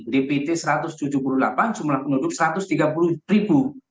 dpt satu ratus tujuh puluh delapan jumlah penduduk satu ratus tiga puluh ribu